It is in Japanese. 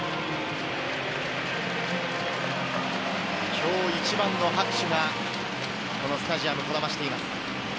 今日一番の拍手がこのスタジアムにこだましています。